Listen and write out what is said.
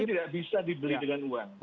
tidak bisa dibeli dengan uang